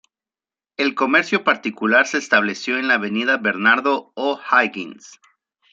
El comercio particular se estableció en la avenida Bernardo O’Higgins.